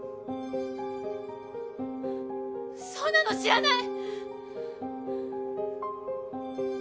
そんなの知らない！